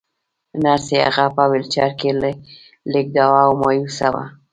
نرسې هغه په ويلچر کې لېږداوه او مايوسه وه.